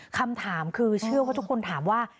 คำถามคือเชื่อว่าทุกคนถามว่า